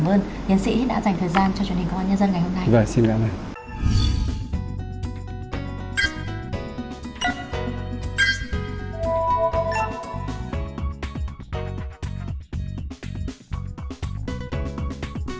cảm ơn yến sĩ đã dành thời gian cho truyền hình của con nhân dân ngày hôm nay